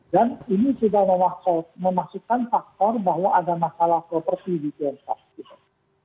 dan ini sudah memaksa memasukkan faktor bahwa ada masalah properti di tiongkok